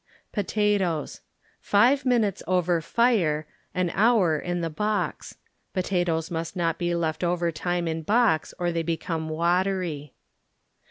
Potatoes Five minutes over fire, an hour in the box. Potatoes must not be left overtime in box or they become watery.